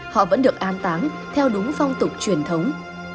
họ vẫn được an táng theo đúng phong tục truyền thống